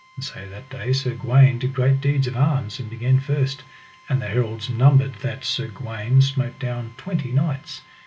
And so that day Sir Gawaine did great deeds of arms, and began first. And the heralds numbered that Sir Gawaine smote down twenty knights.